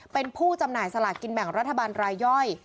เป็นผู้จำหน่ายสลากกินแบ่งรัฐบาลรายย่อย